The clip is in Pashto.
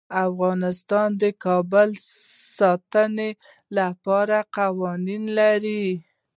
افغانستان د کابل د ساتنې لپاره قوانین لري.